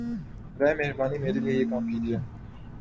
براہَ مہربانی میرے لیے یہ کام کیجیے